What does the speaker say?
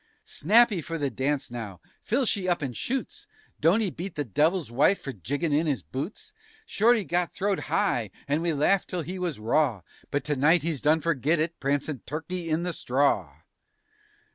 Snappy for the dance, now, fill she up and shoots! (Don't he beat the devil's wife for jiggin' in 'is boots?) Shorty got throwed high and we laughed till he was raw, _But tonight he's done forgot it prancin' "Turkey in the Straw."